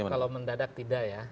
saya kira kalau mendadak tidak ya